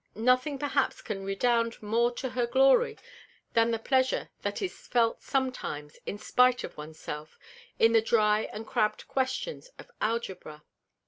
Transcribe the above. Nothing perhaps can redound more to her Glory, than the Pleasure that is felt sometimes, in spight of ones self, in the dry and crabbed Questions of Algebra.